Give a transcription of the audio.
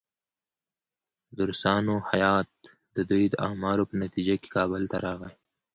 د روسانو هیات د دوی د اعمالو په نتیجه کې کابل ته راغی.